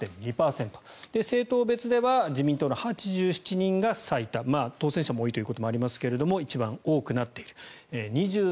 政党別では自民党の８７人が最多当選者も多いということもありますが一番多くなっている。